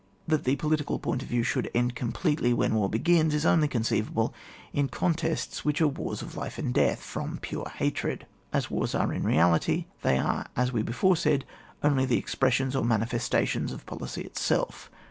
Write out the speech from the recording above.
That the political point of view should end completely when war begins, is only conceivable in contests which are wars of life and death, from pure hatred : as wars are in reality, they are as we before said, only the expressions or manifesta tions of policy itself.